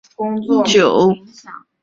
我怕会等很久